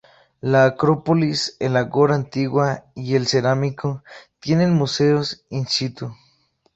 La Acrópolis, el Ágora Antigua y el Cerámico tienen museos "in situ".